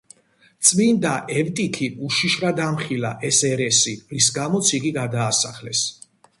წმინდა ევტიქიმ უშიშრად ამხილა ეს ერესი, რის გამოც იგი გადაასახლეს.